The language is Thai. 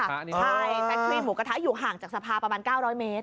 ใช่แจ๊กครีมหมูกระทะอยู่ห่างจากสภาประมาณ๙๐๐เมตร